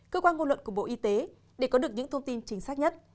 cơ quan ngôn luận của bộ y tế để có được những thông tin chính xác nhất